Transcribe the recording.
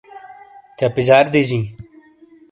چہ پِیجار دیجیں۔